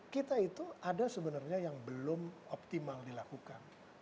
kita itu ada sebenarnya yang belum optimal dilakukan